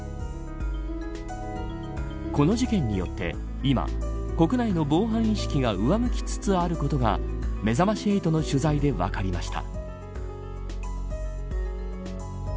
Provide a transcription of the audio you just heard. この事件によって今国内の防犯意識が上向きつつあることがめざまし８の取材で分かりました。